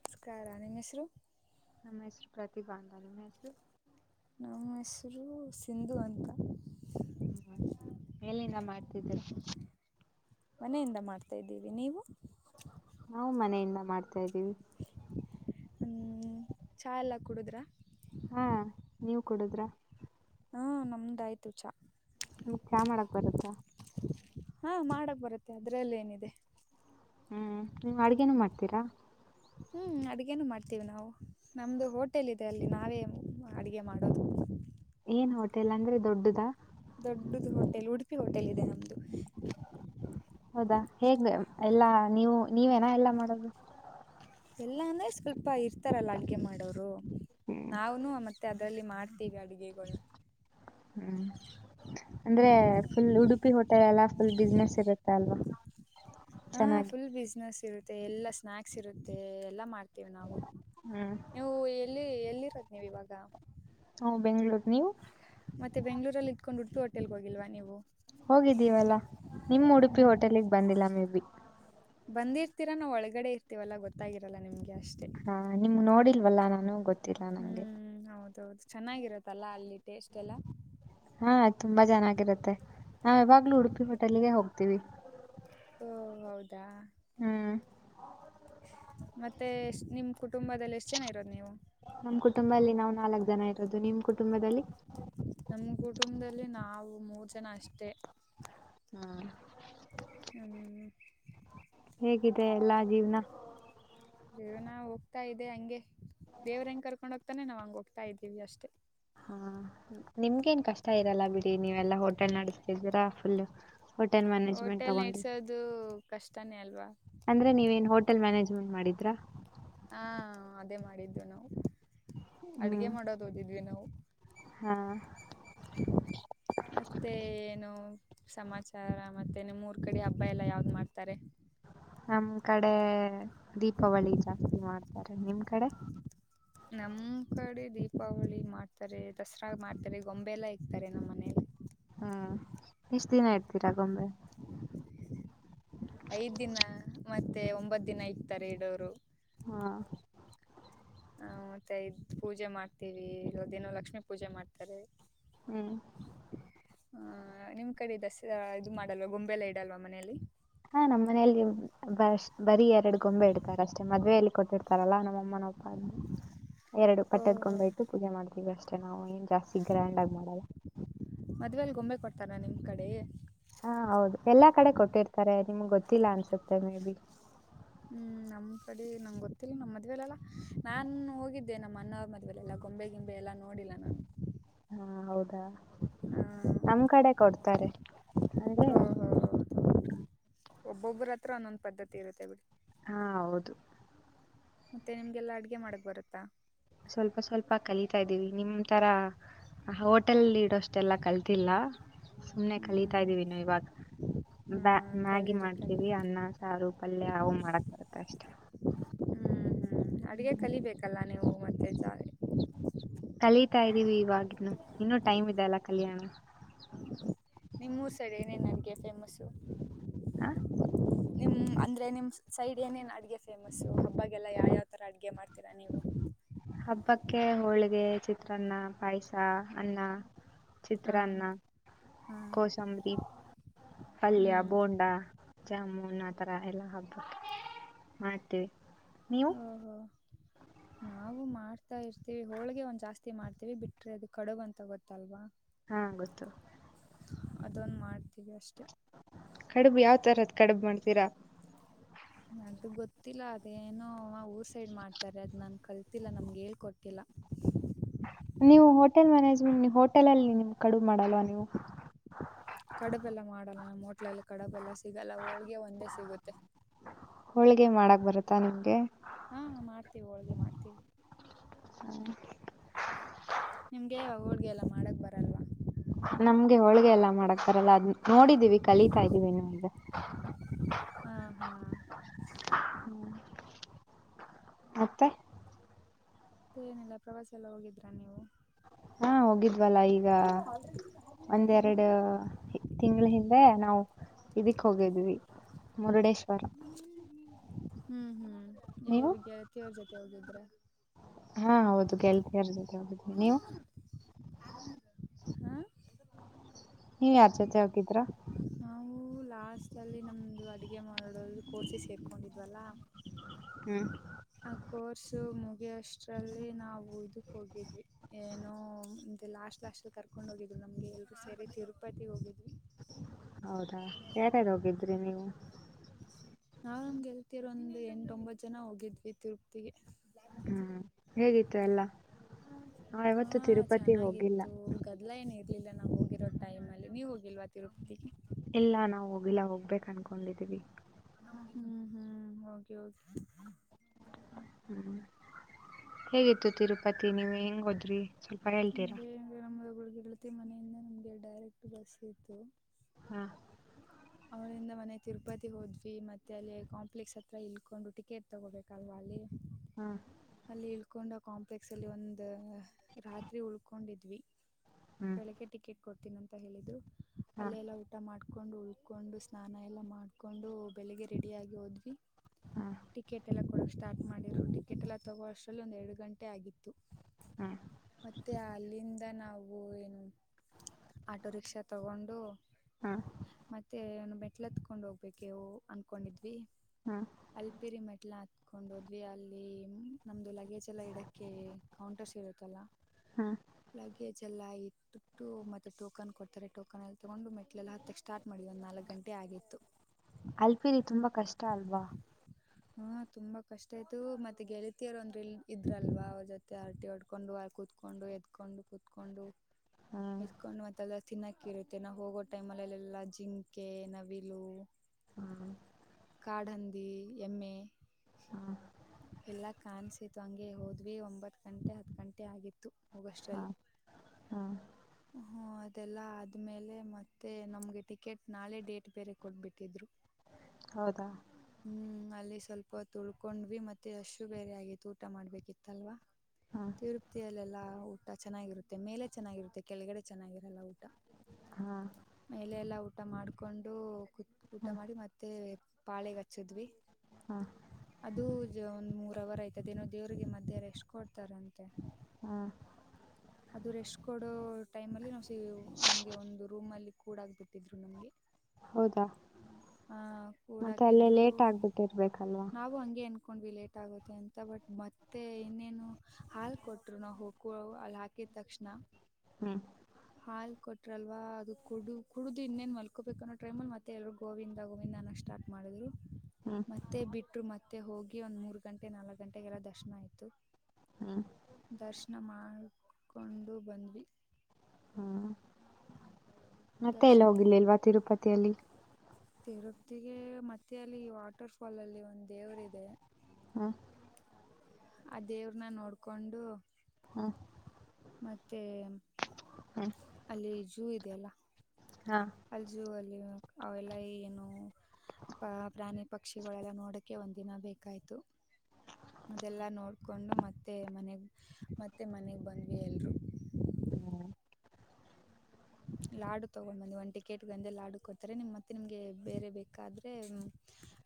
ನಮಸ್ಕಾರಣ ಮೆಸರು ನಮ್ಮ ಹೆಸರು ಪ್ರತಿ ಬಾಧಾನ ಮ ಹೆಸರು ನಮ್ಮ ಹೆಸರು ಸಿಂಧು ಅಂತ ಹ್ಮ ಎಲ್ಲಿಂದ ಮಾಡ್ತಿದ್ದೀರ ಮನೆಯಿಂದ ಮಾಡ್ತಾ ಇದ್ದೀವಿ ನೀವು ನಾವು ಮನೆಯಿಂದ ಮಾಡ್ತಾದೀವಿ ಹ ಚಾ ಎಲ್ಲ ಕುಡಿದ್ರಾ ಹಾ ನೀವ ಕೊಡುದ್ರ ಹಾ ನಮ್ದಾಯ್ತು ಚಾ ನಮಕ್ ಚಾ ಮಾಡಕ್ ಬರುತ್ತಾ ಹಾ ಮಾಡಕ್ ಬರುತ್ತೆ ಅದ್ರಲ್ಲ ಏನಿದೆ ಹ್ಮ್ ನೀವ್ ಅಡ್ಗೇನು ಮಾಡ್ತೀರಾ ಹ್ಮ್ ಅಡ್ಗೇನು ಮಾಡ್ತೀವಿ ನಾವು ನಮ್ದು ಹೋಟೆಲ್ ಇದೆ ಅಲ್ಲಿ ನಾವೇ ಅಡಗೆ ಮಾಡೋದು ಏನ್ ಹೋಟೆಲ್ ಅಂದ್ರೆ ದೊಡ್ಡದಾ ದೊಡ್ಡದು ಹೋಟೆಲ್ ಉಡುಪಿ ಹೋಟೆಲ್ ಇದೆ ನಮ್ದು ಹೌದಾ ಹೇಗ್ ಎಲ್ಲಾ ನೀವು ನೀವೇನ ಎಲ್ಲಾ ಮಾಡೋದು ಎಲ್ಲ ಅಂದ್ರೆ ಸ್ವಲ್ಪ ಇರ್ತಾರಲ್ಲ ಅಡ್ಗೆ ಮಾಡೋರು ಹ್ಮ್ ನಾವ್ನು ಮತ್ತೆ ಅದ್ರಲ್ಲಿ ಮಾಡ ಗಾಡಿಗೆ ಕಲ ಹ್ಮ್ ಅಂದ್ರೆ ಫುಲ್ ಹ್ಮ್. ಉಡುಪಿ ಹೋಟೆಲ್ ಎಲ್ಲಾ ಫುಲ್ ಬಿಸ್ನೆಸ್ ಇರುತ್ತ ಅಲ್ವಾ ಹಾ ಚೆನ್ನಾಗಿ ಫುಲ್ ಬಿಸ್ನೆಸ್ ಇರುತ್ತೆ ಎಲ್ಲಾ ಸ್ನಾಯಾಕ್ಸ್ ಇರುತ್ತೆ ಎಲ್ಲಾ ಮಾಡ್ತ ನಾವು ಹ್ಮ್ ನೀವು ಎಲ್ಲಿ ಎಲ್ಲಿರೋದ ನೀವು ಇವಾಗ ಬೆಂಗಳೂರ್ ನೀವು ಮತ್ತೆ ಬೆಂಗ್ಳೂರಲ್ಲಿ ಇಟ್ಕೊಂಡ್ ಉುಟ್ಟು ಹೋಟೆಲ್ಗ ಹೋಗಿಲ್ವಾ ನೀವು ಹೋಗಿದ್ದೀವಲ್ಲಾ ನಿಮ್ಮ ಉಡುಪಿ ಹೋಟೆಲಿಗೆ ಬಂದಿಲ್ಲ ಮೇಬ ಬಂದಿರ್ತೀರಾ ಒಳಗಡೆ ಇರ್ತೀವಲ್ಲಾ ಗೊತ್ತಾಗಿರಲ್ಲಾ ನಿಮ್ಗೆ ಅಷ್ಟೇ ಹಾ ನಿಮ್ಗ್ ನೋಡಿಲ್ವಲ್ಲಾ ನಾನು ಗೊತ್ತ ಹ್ಮ್ ಹೌದೌದು ಚೆನ್ನಾಗಿರತ್ತಲ್ಲಾ ಅಲ್ಲಿ ಟೇಸ್ಟ್ ಎಲ್ಲ ಹಾ ತುಂಬಾ ಚೆನ್ನಾಗಿರುತ್ತೆ ನಾವ ಇವಾಗ್ಲುೂ ಉಡುಪಿ ಹೋಟೆಲ್ಗೆ ಹೋಗ್ತೀವಿ ಓ ಹೌದಾ ಹ್ಮ್ ಮತ್ತೆ ನಿಮ ಕುಟುಂಬದಲ್ಲಿ ಎಷ್ಟು ಜನ ಇರೋದು ನೀವು ನಮ್ ಕುಟುಂಬದಲ್ಲಿ ನಾವ್ ನಾಲ್ಕ್ ಜನ ಇರೋದು ನಿಮ್ ಕುಟುಂಬದಲ್ಲಿ ನಿಮ್ಮ ಕುಟುಂಬದಲ್ಲಿ ನಾವು ಮೂರ್ ಜನ ಅಷ್ಟೇ ಹ್ಮ್ ಹ್ಮ ಹೇಗಿದೆ ಎಲ್ಲಾ ಜೀವನ ಜೇವ್ನ ಹೋಗ್ತಾ ಇದೆ ಹಂಗೆ ದೇವ್ರ ಹೆಂಗ್ ಕರ್ಕೊಂಡ್ ಹೋಗ್ತಾನೆ ನಾವ್ ಹಂಗ ಹೋಗ್ತಾ ಇದ್ದೀವಿ ಅಷ್ಟೇ ಹಾ ನಿಮ್ಗೇನ್ ಕಷ್ಟ ಇರಲ್ಲ ಬಿಡಿ ನೀವೆಲ್ಲಾ ಹೋಟೆಲ್ ನಡೆಸ್ತಿದೀರಾ ಫುಲ್ ಹೋಟೆಲ್ ಮ್ಯಾನೇಜ್ಮೆಂಟ್ ಹೋಟೆಲ್ ತಗೊಂಡ್ರಿ ನೆಡ್ಸೋದು ಕಷ್ಟನೇ ಅಲ್ವಾ ಅಂದ್ರೆ ನೀವ ನ್ ಹೋಟೆಲ್ ಮ್ಯಾನೇಜ್ಮ ಇನ್ ಮಾಡಿದ್ರಾ ಹಾ ಅದೇ ಮಾಡಿದ್ವಿ ನಾವು ಹ್ಮ್ ಅಡ್ಗೆ ಮಾಡೋದು ಓದಿದ್ವಿ ನಾವು ಹಾ ಮತ್ತುತನೋ ಸಮಾಚಾರ ಮತ್ತೆ ನಿಮ್ಮ್ ಮೂರ್ ಕಡೆ ಹಬ್ಬ ಎಲ್ಲಾ ಯಾವ್ದ್ ಮಾಡ್ತಾರೆ ನಮ್ ಕಡೆ ದೀಪಾವಳಿ ಜಾಸ್ತಿ ಮಾಡ್ತಾರೆ ನಿಮ್ ಕಡೆ ನಮ್ ಕಡೆ ದೀಪಾವಳಿ ಮಾಡ್ತಾರೆ ದಸರಾ ಮಾಡ್ತಾರೆ ಗೊಂಬೆಲ್ಲ ಇಕ್ತಾರೆ ನಮ್ಮ್ ಮನೇಲಿ ಹ್ಮ್ ಇಷ್ಟ ದಿನ ಇರ್ತೀರ ಗೊಂಬೆ ಐದ್ ದಿನ ಮತ್ತೆ ಒಂಬತ್ ದಿನ ಇಕ್ತಾರೆ ಇಡೋರು ಹ್ಮ ಹ ಮತ್ತೆ ಇದ್ ಪೂಜೆ ಮಾಡ್ತೀವಿ ಇಲ್ಲ ದೇನೋ ಲಕ್ಷ್ಮೀ ಪೂಜೆ ಮಾಡ್ತಾರೆ ಹ್ಮ್ ಆ ನಿಮ್ ಕಡೆ ದಸ ಇದು ಮಾಡಲ್ವ ಗೊಂಬೆಲ್ಲ ಇಡಲ್ವ ಮನೇಲಿ ಹಾ ನಮ್ಮ್ ಮನೆಯಲ್ಲಿ ಬ್ ಬರೀ ಎರಡು ಗೊಂಬೆ ಇಡ್ತಾರ ಅಷ್ಟೇ ಮದ್ಯಲ್ಲಿ ಕೂತಿರ್ತಾರಲ್ಲಾ ನಮ್ಮ ಅಮ್ಮನಪ್ಪ ಅ ಎರಡು ಪಟ್ಟೆದಕೊಂಡ್ ಬಯತು ಪೂಜೆ ಮಾಡ್ತೀವಿ ಅಷ್ಟೇ ನಾವು ಜಾಸ್ತಿ ಗ್ರ್ಯಾಂಡ್ ಆಗಿ ಮಾಡಲ್ಲ ತರ ನಿಮ್ ಕಡೆ ಹಾ ಹೌದು ಎಲ್ಲಾ ಕಡೆ ಕೊಟ್ಟಿರ್ತಾರೆ ನಿಮ್ಗ್ ಗೊತ್ತಿಲ್ಲ ಅನ್ಸುತ್ತೆ ಮೇ ಬಿ ಹ್ಮ್ ನಮ್ ಕಡೆ ನಂಗ್ ಗೊತ್ತಿಲ್ಲ ನಮ್ಮ ಮದ್ವೆಲೆಲ್ಲಾ ನಾನ್ ಹೋಗಿದ್ದೆ ನಮ್ಮ ಅಣವ ಮದ್ವೆಲೆಲ್ಲಾ ಗಂಬೆ ಗಿಂಬೆ ಎಲ್ಲ ನೋಡಿಲ್ಲ ನಾನು ಹಾ ಹೌದಾ ಹ ನಮ್ ಕಡೆ ಕೊಡ್ತಾರೆ ಅಂದ್ರೆ ಹ್ಮ ಒಬ್ಬೊಬ್ಬ್ರ ಹತ್ರ ಒಂದೊಂದ್ ಪದ್ಧತಿ ಇರುತ್ತೆ ಬಿಡಿ. ಹಾ ಹೌದು ಮತ್ತೆ ನಿಮ್ಗೆಲ್ಲಾ ಅಡ್ಗೆ ಮಾಡಕ್ ಬರುತ್ತಾ. ಸ್ವಲ್ಪ ಸ್ವಲ್ಪ ಕಲಿತಾ ಇದ್ದೀವಿ ನಿಮ ತರಾ ಹೋಟೆಲ್ಲಿ ಇಡೋಷ್ಟೆಲ್ಲಾ ಕಲ್ತಿಲ್ಲ ಸುಮ್ನೆ ಕಲಿತಾ ಹ್ಮ್ ಇದ್ದೀವಿ ಇನ್ನು ಇವಾಗ ಹ್ಮ ಬ್ಯಾ ಮ್ಯಾಗಿ ಕಲೀರಿ ಕಲೀರಿ ಮಾಡ್ತೀವಿ ಅನ್ನ ಸಾರು ಪಲ್ಯ ಅವು ಮಾಡಕ್ ಬರುತ್ತೆ ಅಷ್ಟೇ ಹ ಹ್ಞೂ ಹ್ಞೂ ಅಡುಗೆ ಕಲಿಬೇಕಲ್ಲ ನೀವು ಮತ್ತೆ ಜಾಲ ಇನ್ನುೂ ಟೈಮ್ ಇದೆಲ್ಲ ಕಲಿಯಣ ನಿಮ್ಮೂರ ಸೈಡ್ ಏನೇನ ಫೇಮಸ್ಸು ಹಾ ನಿಮ್ ಅಂದ್ರೆ ನಿಮ್ಮ್ ಸೈಡ್ ಏನೇನು ಅಡುಗೆ ಫೇಮಸ್ಸು ಹಬ್ಬಗೆಲ್ಲ ಯಾವ ಯಾವ ತರ ಅಡುಗೆ ಮಾಡ್ತೀರಾ ನೀವು ಹಬ್ಬಕ್ಕೆ ಹೋಳಿಗೆ ಚಿತ್ರಾನ್ನ ಪಾಯಸ ಅನ್ನ ಹಾ ಚಿತ್ರಾನ್ನ ಹಾ ಕೋಸಂಬರಿ ಪಲ್ಯ ಹ್ಮ್ ಬೋಂಡಾ ಜಾಮೂನ್ ಆತರ ಎಲ್ಲ ಹಬ್ಬಕೆ ಮಾಡ್ತೀವಿ. ನೀವು ಓಹೋ ನಾವು ಮಾಡ ಮಾಡ್ತಾ ಇರ್ತೀವಿ ಹೋಳಗೆ ಒಂದ್ ಜಾಸ್ತಿ ಮಾಡ್ತೀವಿ ಬಿಟ್ರೆ ಅದು ಕಡುಬ ಅಂತ ಗೊತ್ತಲ್ವಾ ಹಾ ಗೊತ್ತು ಅದೊಂದ ಮಾಡ್ ಕಡುಬು ಯಾವತರದ ಕಡುಬು ಮಾಡ್ತೀರಾ. ಅದು ಗೊತ್ತಿಲ್ಲ ಅದೇನೋ ಊರ್ ಸೈಡ್ ಮಾಡ್ತಾರೆ ಅದ್ ನನ್ ಕಲ್ತಿಲ್ಲಾ ನಮ್ಗೆ ಹೇಳ್ಕೊಟ್ಟಿಲ್ಲ. [inaudible] ನೀವು ಹೋಟೆಲ್ ಮ್ಯಾನೇಜ್ಮೆಂಟ್ ಹೋಟೆಲಲ್ಲಿ ನಿಮ ಕಡುಬು ಮಾಡಲ್ವಾ ನೀವು ಕಡಬೆಲ್ಲ ಮಾಡಲ್ಲ ನಮ್ಮ ಹೋಟ್ಲೆಲ್ಲಿ ಕಡಬ ಎಲ್ಲ ಸ್ ಸಿಗಲ್ಲ ಹೋಳ್ಗೆ ಒಂದೇ ಸಿಗುತ್ತೆ ಗೆ ಮಾಡಕ್ ಬರುತ್ತಾ ನಿಮ್ಗೆ ಹಾ ಮಾಡ್ತೀವಿ ಹೋಳ್ಗೆ ಮಾಡ್ತೀವಿ ನಿಮ್ಗೆ ಹೋಳ್ಗೆ ಎಲ್ಲ ಮಾಡಕ್ ಬರಲ್ವಾ ನಮ್ಗೆ ಹೋಳ್ಗೆ ಎಲ್ಲಾ ಮಾಡಕ್ತಾರಲ್ಲ ಅದ್ ನೋಡಿದ್ದೀವಿ ಕಲೀತಾ ಇದ್ದೀವಿ ಏನುಂದರೆ ಹಾ ಹಾ ಹ್ಮ ಮತ್ತೆ ಮತ್ತೆ ಏನಿಲ್ಲ ಪ್ರವಾಸ ಎಲ್ಲ ಹೋಗಿದ್ರಾ ನೀವು ಹಾ ಹೋಗಿದ್ವಲ್ಲ ಈಗ ಒಂದರಡು ತಿಂಗಳ ಹಿಂದೆ ನಾವು ಇದಕ್ ಹೋಗಿದ್ವಿ ಮುರ್ಡೇಶ್ವರ ಹ್ಮ್ ಹ್ಮ್ ನೀವು ಗೆಳತಿ ಅವ್ರ್ ಜೊತೆ ಹೋಗಿದ್ರ ಹಾ ಹೌದು ಗೆಳತೀರ ಜೊತೆ ಹೋಗಿದೆ ನೀವು ಹಾ ನೀವ್ ಯಾರ್ ಜೊತೆ ಹೋಗಿದ್ರ ನಾವು ಲಾಸ್ಟ್ ಅಲ್ಲಿ ನಮ್ದ ಅಡುಗೆ ಮಾಡದು ಕೋರ್ಸಿ ಸೇರ್ಕೊಂಡಿದ್ವಲ್ಲ ಹ್ಮ್ ಆ ಕೋರ್ಸ್ ಮು ಹ ಅಷ್ಟರಲ್ಲಿ ನಾವು ಇದಕ್ ಹೋಗಿದ್ವಿ ಏನೋ ಲಾಸ್ಟ್ ಲಾಸ್ಟ್ ಅಲ್ಲಿ ಕರ್ಕೊಂಡ್ ಹೋಗಿದ್ವಿ ಹಂಗೆ ಎಲ್ಲರು ಸೇರಿ ತಿರುಪತಿಗೆ ಹೋಗಿದ್ವಿ ಹೌದಾ ಯಾರ್ಯಾರು ಹೋಗಿದ್ರಿ ನೀವು ನಾವು ನಮ್ ಗೆಳತಿಯರು ಒಂದ ಎಂಟ ಒಂಬತ್ತು ಜನ ಹೋಗಿದ್ದಿ ತಿರುಪತಿಗೆ ಹ್ಮ್ ಹೇಗಿತ್ತು ಎಲ್ಲಾ ಹಾ ಹೋಗಿಲ್ಲ ಚೆನ್ನಾಗಿತ್ತು ಗದಲ ಏನ ಇರ ಇಲ್ಲ ನಾವು ಹೋಗಿರೋ ಟೈಮ್ ಅಲ್ಲಿ ನೀವು ಹೋಗಿಲ್ವಾ ತಿರುಪತಿಗೆ ಇಲ್ಲಾ ನಾವವು ಹೋಗಿಲ್ಲಾ ಹೋಗ್ಬೇಕ ಅನ್ಕೊಂಡಿದ್ದೀವಿ ಓಕೆ ಕೆ [inaudible] ಹ್ಮ್ ಹೇಗಿತ್ತು ತಿರುಪತಿ ನೀವ್ ಹೆಂಗ್ೋದ್ರಿ ಸ್ವಲ್ಪ ಅರಲ್ ತರ ಇಗೆಳತಿ ಮನೆಯಿಂದ ನಮಗೆ ಡೈರೆಕ್ಟ್ ಬಸ್ ಇತ್ತು ಹಾ ಅವರಿಂದ ಮನೆ ತಿರುಪತಿ ಹೋದ್ವಿ ಮತ್ತೆ ಅಲ್ಲಿ ಕಾಂಪ್ಲೆಕ್ಸ್ ಹತ್ರ ಇಲ್ಕೊಂಡು ಟಿಕೆಟ್ ತಗೋಬೇಕಲ್ವಾ ಅಲ್ಲಿ ಹ್ಮ ಉಕೊಂಡ ಕಾಂಪ್ಲೆಕ್ಸ್ ಅಲ್ಲಿ ಒಂದು ರಾತ್ರಿ ಉಳ್ಕೊಂಡಿದ್ವಿ ಹ್ಮ್ ಬೆಳಗ್ಗೆ ಟಿಕೆಟ್ ಕೊಡ್ತೀನ ಅಂತ ಹೇಳಿದು ಹಾ ಅಲ್ಲೆ ಎಲ್ಲಾ ಊಟ ಮಾಡ್ಕೊಂಡು ಕೊಂಡು ಸ್ನಾನ ಎಲ್ಲ ಮಾಡಕೊಂಡು ಬೆಳಿಗ್ಗೆ ರೆಡಿ ಆಗಿ ಹೋದ್ವಿ ಹಾ ಟಿಕೆಟ್ ಎಲ್ಲ ಕೊಡ ಸ್ಟಾರ್ಟ್ ಮಾಡಿರು ಟಿಕೆಟ್ ಎಲ್ಲ ತಗೋ ಅಷ್ಟ್ರಲ್ಲಿ ಒಂದ ಎರಡು ಗಂಟೆ ಆಗಿತ್ತು ಹ್ಮ್ ಮತ್ತೆ ಅಲ್ಲಿಂದ ನಾವು ಏನು ಆಟೋ ರಿಕ್ಷಾ ತಗೊಂಡು ಹಾ ಮತ್ತೆ ಒ ಮೆಟ್ಲ ಹತ್ಕೊಂಡ್ ಹೋಗ್ಬೇಕವು ಅನ್ಕೊಂಡಿದ್ವಿ ಹಾ ಅಲ್ಪಿರಿ ಮೆಟ್ಲ ಕತ್ಕೊಂಡ್ ಹೋದ್ವಿ ಅಲ್ಲಿ ನಮ್ದು ಲಗೇಜ್ ೆಲ್ಲ ಇಡಕ್ಕೆ ಕೌಂಟರ್ಸ್ ಇರುತ್ತಲ್ಲ ಹಾ ಲಗೇಜ್ ಎಲ್ಲಾ ಇಟ್ಟಟ್ಟು ಮತ್ತೆ ಟೋಕನ್ ಕೊಡ್ತಾರೆ ಟೋಕನ್ ಎಲ್ಲಿ ತಗೊಂಡು ಮೆಟ್ಟಟ್ಲೆ ಎಲ್ಲ ಹತ್ತಕ್ಷಣ ಮಡಿ ಒಂದು ನಾಲ್ಕು ಗಂಟೆ ಆಗಿತ್ತು ಅಲ್ಪಿರಿ ತುಂಬಾ ಕಷ್ಟ ಅಲ್ವಾ ಹ್ಮ ತುಂಬಾ ಕಷ್ಟ ಆಯ್ತು ಮತ್ತೆ ಗೆಳಿತಿಯರು ಒಂದ್ರ ಇ ಇದ್ರಲ್ವಾ ಅವ್ರ ಜೊತೆ ಆರ್ಟಿ ಹೊಡ್ಕೊಂಡು ಕುೂತ್ಕೊಂಡು ಎದ್ಕೊಂಡು ಕುೂತ್ಕೊಂಡು ಹ್ಮ್ ಎದಕೊಂಡು ಮತ್ತಲ್ಲ ತಿನ್ನೋಕ ಇರುತ್ತೆ ನಾವು ಹೋಗೋ ಟೈಮ್ ಅಲ್ಲಲ್ಲೆಲ್ಲ ಜಿಂಕೆ ನವಿಲು ಹ್ಮ್ ಕಾಡಂದಿ ಎಮ್ಮೆ ಹಾ ಎಲ್ಲ ಕಾಣಸತ್ತು ಹಂಗೆ ಹೋದ್ವಿ ಒಂಬತ್ ಗಂಟೆ ಹತ್್ ಗಂಟೆ ಆಗಿತ್ತು ಹೋಗಷ್ಟಲ್ಲಿ [inaudible] ಹ್ಮ್ ಹ್ಮ್ ಹ್ಮ ಅದೆಲ್ಲಾ ಆದ್ಮೇಲೆ ಮತ್ತೆ ನಮ್ಗೆ ಟಿಕೆಟ್ ನಾಳೆ ಡೇಟ್ ಬೇರೆ ಕೊಟ್ಬಿಟ್ಟಿದ್ರು ಹೌದಾ ಹ್ಮ್ ಅಲ್ಲಿ ಸ್ವಲ್ಪ ತುಳ್ಕೊಂಡ್ವಿ ಮತ್ತೆ ಅಷ್ಟು ಬೇರೆ ಆಗಿತ್ತು ಊಟ ಮಾಡ್ಬೇಕಿತ್ತಲ್ವಾ ಹ್ಮ್ ತಿರುಪ್ತಿಯಲ್ಲೆಲ್ಲಾ ಊಟ ಚೆನ್ನಾಗಿರುತ್ತೆ ಮೇಲೆ ಚೆನ್ನಾಗಿರುತ್ತೆ ಕೆಳಗಡೆ ಚೆನ್ನಾಗಿರಲ್ಲ ಊಟ ಹ್ಮ್ ಮೇಲೆ ಎಲ್ಲ ಊಟ ಮಾಡಕೊಂಡು ತ್ ಊಟ ಮಾಡಿ ಮತ್ತೆ ಪಾಳೆಗ ಹಚ್ಚಿದ್ವಿ ಹ್ಮ್ ಅದು ಒಂದ್ ಮೂರ್ ಅವರ್ ಆಯ್ತದ ಏನೋ ದೇವ್ರರಿಗೆ ಮಧ್ಯಹ ರ ಎಷ್ಟ್ ಕೊಡ್ತಾರಂತೆ ಹ್ಮ ಅದು ರೆಸ್್ ಕೊಡೋ ಟೈಮ್ ಅಲ್ಲಿ ನಾವು ನಮ್ಗೆ ಒಂದು ರೂಮ್ ಅಲ್ಲಿ ಕೂಡ ಆಗ ಬಿಟ್ಟಿದ್ರು ನಮ್ಗೆ ಹೌದಾ ಹ ಮತ್ತೆ ಅಲ್ಲೇ ಕೂಡಾಕಿದ್ರು ಲೇಟ್ ಆಗ್ಬಿಟ್ಟಿರ್ಬೇಕಲ್ವಾ ನವು ಹಂಗಗೆ ಏನ್ ಹಕೊಂಡ್ ಲೇಟ್ ಆಗುತ್ತೆ ಅಂತ ಬಟ್ ಮತ್ತೆ ಇನ್ನೇನು ಹಾಲ್ ಕೊಟ್ಟರು ನಾವು ಹಕ ಅಲ್ಲಿ ಹಾಕಿದ ತಕ್ಷಣ ಹ್ಮ್ ಮಲ್ ಕೊಟ್ರಲ್ವಾ ಅದು ಕುಡಡು ಕುಡು ಇನ್ನೇನ್ ಮಲ್ಕೋಬೇಕು ಅೋ ್ರೈಮಲ್ ಮತ್ತೆ ಎಲ್ರಿಗ ಗೋವಿಂದ ಗೋವಿಂದನ ಸ್ಟಾ್ಟಪ್ ಮಾಡಿದ್ರು ಹ್ಮ್ ಮತ್ತೆ ಬಿಟ್ಟರು ಮೆ ಮತ್ತೆ ಹೋಗಿ ಒಂದ್ ಮೂರ್ ಗಂಟೆ ನಾಲ್ಕ ಗಂಟೆಗೆಲ್ಲ ದರ್ಶನ ಆಯ್ತು ಹ್ಮ್ ದರ್ಶನ ಮಾಡ ಮಾಡಡ್ಕೊಂಡು ಬಂದ್ವಿ ಹ್ಮ್ ಮತ್ತೆ ಎಲ್ಲಿ ಹೋಗಿಿಲ್ಲಲ್ವಾ ತಿರುಪತಿಯಲ್ಲಿ ತಿರುಪತಿಿಗೆ ಮತ್ತೆ ಅಲ್ಲಿ ವಾಟರ್ ಫಾಲ್ ಅಲ್ಲಿ ಒಂದು್ ದೇವರ ಇದೆ ಹ್ಮ ಆ ದೇವ್ರನ್ನ ನೋಡ್ಕೊಂಡು ಹ್ಮ ಮತ್ತೆ ಅಲ್ಲಿ ಜಝೂ ಇದೆಯಲ್ಲ ಹಾ ಅಲ್ಲಿ ಜುವಲ್ಲಿ ಅಲ್ಲಿ ಅವೆಲ್ಲ ಏನು ಪ್ರಾಣಿ ಪಕ್ಷಿಗಳೆಲ್ಲ ನೋಡಕ್ಕೆೆ ಒಂದು ದಿನ ಬೇಕಾಯ್ತು ಅದೆಲ್ಲಾ ನೋಡ್ಕೊಂಡು ಮತ್ತೆ ಮನೆಗ್ ಮತ್ತೆ ಮನೆಗ್ ಬಂದ್ವಿ ಎಲ್ರು ಹ್ಮ್ ಲಾಡು ತಗೊಂಡ್ ಬಂದಿ ಒಂದು ಟಿಕೆಟ್ ಒಂದು ಲಾಡು ಕೊಡ್ತಾರೆ ನಿಮ್ ಮತ್ತೆ ನಿಮ್ಗೆ ಬೇರೆ ಬೇಕಾದ್ರೆ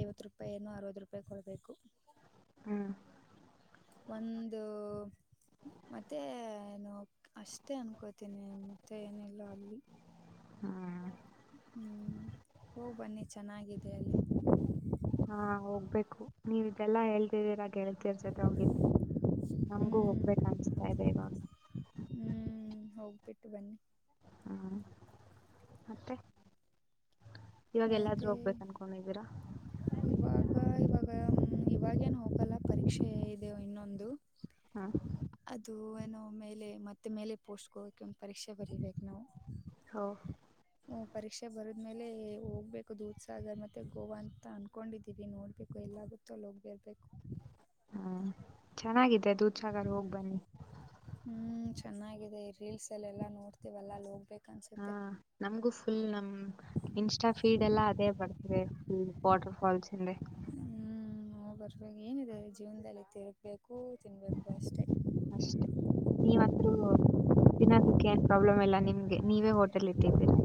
ಐವತ್ತು ರೂಪಾಯಿ ಏನ್ನು ಅರವತ್ತು ರೂಪಾಯಿ ಕೊಡಬೇಕು ಹ್ಮ್ ಒಂದು ಮತ್ತೆ ಏನು ಅಷ್ಟೇ ಅನ್ಕೋತೀನಿ ಮತ್ತೆ ಏನಿಲ್ಲ ಆಗ್ಲಿ ಹ್ಮ್ ಹ್ಮ್ ಹೋಗ್ ಬನ್ನಿ ಚೆನ್ನಾಗಿದೆ ಅಲ್ಲಿ ಹಾ ಹೋಗ್ಬೇಕು ನೀವ ಇದೆಲ್ಲಾ ಹೇಳ್ತರಿ ರೆ ಗೆಳತಿಯರ್ ಜೊತೆ ಹೋಗಿದ್ದು ನಮ್ಗೂ ಹೋಗ್ಬೇಕು ಅನಿಸ್ತಾ ಇದೆ ಇವಾಗ ಹ್ಮ್ ಹೋಗ್ಬಿಟ್ಟು ಬನ್ನಿ ಹ್ಮ್ ಮತ್ತೆ ಇವಾಗ ಎಲ್ಲಾದ್ರೂ ಮತ್ತೆ ಹೋಗ್ಬೇಕ ಅನ್ಕೊಂಡಿದ್ದೀರಾ ಇವಾಗ ಇವಾಗ ಇವಾಗೇನು ಹೋಗಲ್ಲ ಪರೀಕ್ಷೆ ಇದೆವು ಇನ್ನೊಂದು ಹ್ಮ ಇದು ಏನೋ ಮೇಲೆ ಮತ್ತೆ ಮೇಲೆ ಪೋಸ್ಟ್ಕೋಗಕ ಒಂದು ಪರೀಕ್ಷೆ ಬರೀಬೇಕು ನಾವು ಹೌ ಹ ಪರೀಕ್ಷೆ ಬರದ್ಮೇಲೆ ಹೋಗ್ಬೇಕು ದೂಧಸಾಗರ್ ಮತ್ತುತ್ತ ಗೋವಾ ಅಂತ ಅನ್ಕೊಂಡಿದೀವಿ ನೋಡಬೇಕು ಎಲ್ಲಾಗುತ್ತೋ ಅಲ್ಲಿ ಹೋಗಿಬೇರಬೇಕು ಹ್ಮ ಚೆನ್ನಿದ್ದ ದೂದಸಾಗರ್ ಹೋಗ್ ಬನ್ನಿ ಹ್ಮ್ ಚೆನ್ನಾಗಿದೆ ರೀಲ್ಸ್ ಎಲ್ಲ ಎಲ್ಲಾ ನೋಡ್ತಿವಲ್ಲಾಲ್ಲಿ ಹೋಗ್ಬೇಕ ಹಾ ಅನ್ಸುತ್ತೆ ನಮಗೂ ಫುಲ್ ನಮ್ ಇನ್ಸ್ಟಾ ಫೀಡ್ ಎಲ್ಲಾ ಅದೇ ಬರ್ತದೆ ಫುಲ್ ವಾಟರ್ ಫಾಲ್ಸ್ ಅಂದ್ರೆ ಹ್ಮ ನಾವು ಬರ್ಬೇಕಾಗ ಏನಿದೆ ಜೀವನದಲ್ಲಿ ತಿರಬೇಕು ತಿನ್ನಬೇಕು ಅಷ್ಟೇ ಅಷ್ಟೆ ನೀವಂದ್ರೂ ತಿನೋದಕ್ಕೆ ಏನ್ ಪ್ರಾಬ್ಲಮ್ ಎಲ್ಲ ನಿಮ್ಗೆ ನೀವೇ ಹೋಟೆಲ್ ಇಟ್ಟಿದ್ದೀರಾ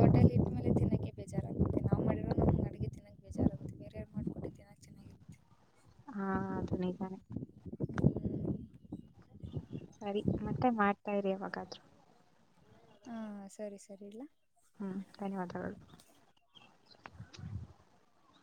ಹೋಟೆಲ್ ಇಟ್ಟ ಮೇಲೆ ತಿನ್ನಕ್ಕೆ ಬೇಜಾರಾಗುತ್ತೆ ನಾವು ಮಾಡಿರೋ ನಮ್ಗೆ ಅಡುಗೆ ತಿನ್ನಕ್ಕೆ ಬೇಜಾರಾಗುತ್ತೆ ಬೇರೆಯವ್ರು ಮಾಡ್ಕೊಟ್ಟೆ ತಿನ್ನಕ್ಕೆ ಚೆನ್ನಾಗಿರುತ್ತೆ ಹ ಅದು ನಿಜಾನೆ ಹ್ಮ್ ಸರಿ ಮತ್ತೆ ಮಾಡ್ತಾ ಇರಿ ಯವಾಗಾದ್ರೂ ಹಾ ಸರಿ ಸರಿ ಇಲ್ಲ ಹ್ಮ್ ಧನ್ಯವಾದಗಳು